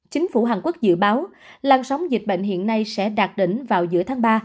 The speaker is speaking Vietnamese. chính phủ hàn quốc dự báo lan sóng dịch bệnh hiện nay sẽ đạt đỉnh vào giữa tháng ba